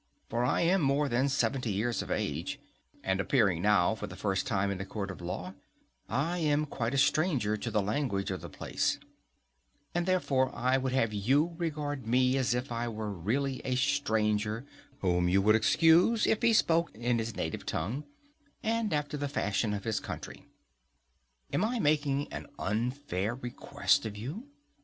For I am more than seventy years of age, and appearing now for the first time in a court of law, I am quite a stranger to the language of the place; and therefore I would have you regard me as if I were really a stranger, whom you would excuse if he spoke in his native tongue, and after the fashion of his country:—Am I making an unfair request of you?